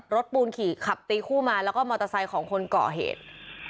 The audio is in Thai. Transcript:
ปูนขี่ขับตีคู่มาแล้วก็มอเตอร์ไซค์ของคนก่อเหตุ